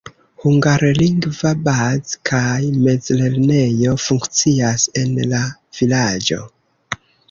Hungarlingva baz- kaj mezlernejo funkcias en la vilaĝo.